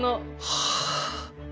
はあ。